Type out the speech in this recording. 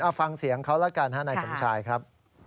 เอาฟังเสียงเขาแล้วกันฮะนายสมชายครับ